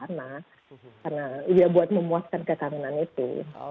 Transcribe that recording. karena ya buat memuaskan kekaminan itu